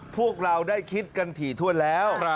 พวกเราได้คิดกันถี่ถ้วนแล้ว